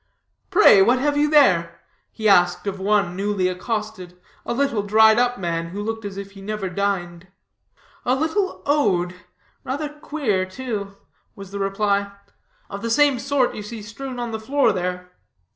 "Pray, what have you there?" he asked of one newly accosted, a little, dried up man, who looked as if he never dined. "A little ode, rather queer, too," was the reply, "of the same sort you see strewn on the floor here."